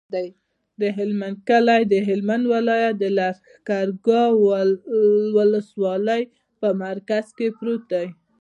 د هلمند کلی د هلمند ولایت، لښکرګاه ولسوالي په مرکز کې پروت دی.